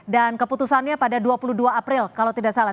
dan keputusannya pada dua puluh dua april kalau tidak salah